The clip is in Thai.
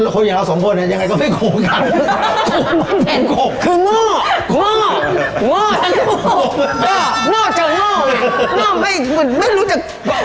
กูของยังไงวะ